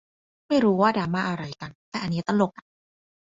ไม่รู้ว่าดราม่าอะไรกัน แต่อันนี้ตลกอะ